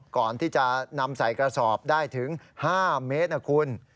ก่อนที่จะนำใส่กระสอบได้ถึง๕เมตรนะคุณ